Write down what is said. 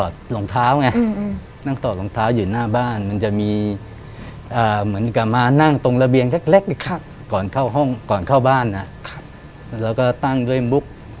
ได้ครับ